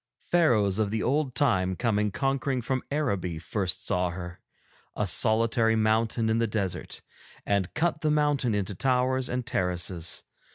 Pharaohs of the old time coming conquering from Araby first saw her, a solitary mountain in the desert, and cut the mountain into towers and terraces.